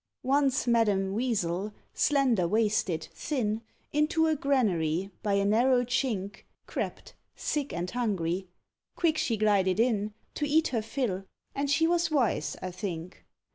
Once Madame Weasel, slender waisted, thin, Into a granary, by a narrow chink, Crept, sick and hungry; quick she glided in, To eat her fill, and she was wise, I think.